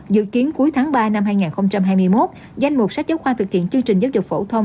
dự kiến cuối tháng ba năm hai nghìn hai mươi một danh mục sách giáo khoa thực hiện chương trình giáo dục phổ thông